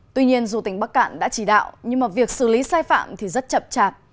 tuy nhiên dù tỉnh bắc cạn đã chỉ đạo nhưng mà việc xử lý sai phạm thì rất chậm chạp